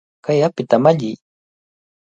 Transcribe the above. ¡Kay apita malliy!